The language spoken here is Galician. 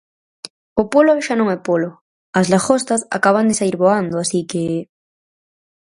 O polo xa non é polo, as lagostas acaban de saír voando así que...